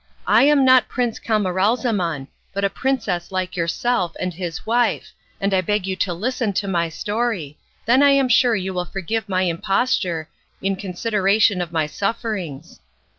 I am not Prince Camaralzaman, but a princess like yourself and his wife, and I beg you to listen to my story, then I am sure you will forgive my imposture, in consideration of my sufferings."